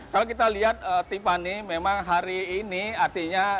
kalau kita lihat tiffany memang hari ini artinya